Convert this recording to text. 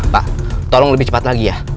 pak tolong lebih cepat lagi ya